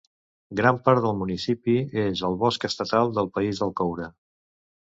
Gran part del municipi és el Bosc Estatal del País del Coure.